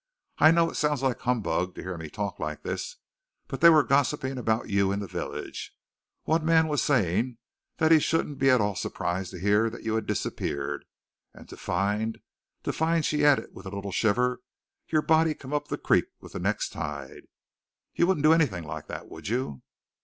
I know it sounds like humbug to hear me talk like this, but they were gossiping about you in the village. One man was saying that he shouldn't be at all surprised to hear that you had disappeared, and to find to find " she added, with a little shiver, "your body come up the creek with the next tide. You wouldn't do anything like that, would you?"